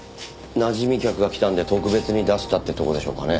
なじみ客が来たんで特別に出したってとこでしょうかね。